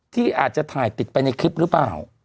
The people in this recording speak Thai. ที่อาจจะถ่ายติดไปในคลิปหรือเปล่า